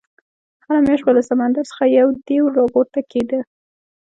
هره میاشت به له سمندر څخه یو دېو راپورته کېدی.